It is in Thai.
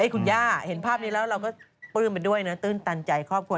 คุณย่าเห็นภาพนี้แล้วเราก็ปลื้มไปด้วยนะตื้นตันใจครอบครัว